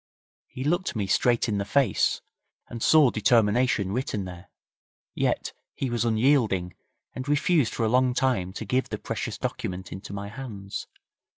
He looked me straight in the face, and saw determination written there, yet he was unyielding, and refused for a long time to give the precious document into my hands.